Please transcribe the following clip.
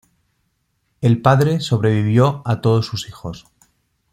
El padre sobrevivió a todos sus hijos.